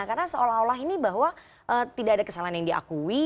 karena seolah olah ini bahwa tidak ada kesalahan yang diakui